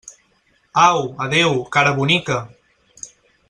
Au, adéu, cara bonica!